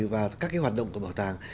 và các cái hoạt động của bảo tàng